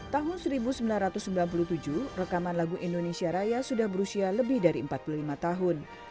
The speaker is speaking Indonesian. tahun seribu sembilan ratus sembilan puluh tujuh rekaman lagu indonesia raya sudah berusia lebih dari empat puluh lima tahun